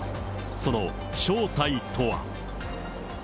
その正体とは。